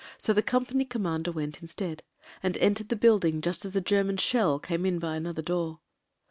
So the company commander went instead ; and entered the building just as a Ger man shell came in by another door.